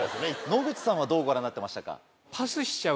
野口さんはどうご覧になってましたか？